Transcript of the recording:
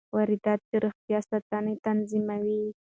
واردات د روغتیا ساتنه تضمینوي.